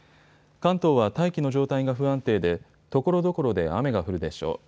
関東は大気の状態が不安定でところどころで雨が降るでしょう。